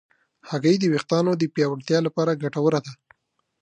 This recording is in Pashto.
هګۍ د ویښتانو د پیاوړتیا لپاره ګټوره ده.